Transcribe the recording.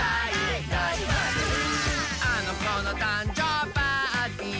「あのこのたんじょうパーティー」